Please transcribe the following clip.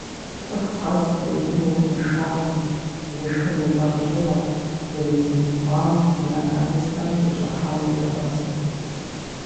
ЦӀыху къэс езым и узыншагъэм, лышхым и лӀэужьыгъуэм, зэрызиубгъуам, и анализхэм тещӀыхьауэ йоӀэзэ.